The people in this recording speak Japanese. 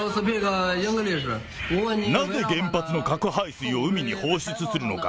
なぜ原発の核排水を海に放出するのか？